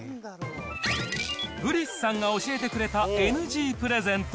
ブリスさんが教えてくれたＮＧプレゼント。